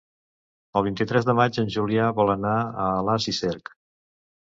El vint-i-tres de maig en Julià vol anar a Alàs i Cerc.